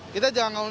kita jangan nunggu